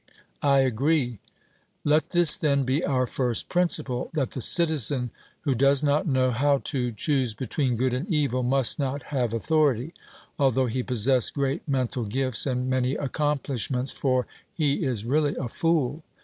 'I agree.' Let this, then, be our first principle: That the citizen who does not know how to choose between good and evil must not have authority, although he possess great mental gifts, and many accomplishments; for he is really a fool.